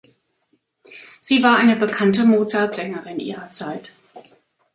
Sie war eine bekannte Mozart-Sängerin ihrer Zeit.